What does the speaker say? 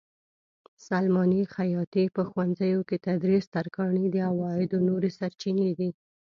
سلماني؛ خیاطي؛ په ښوونځیو کې تدریس؛ ترکاڼي د عوایدو نورې سرچینې دي.